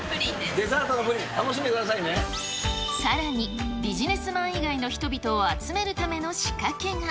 デザートのプリン、楽しんでさらに、ビジネスマン以外の人々を集めるための仕掛けが。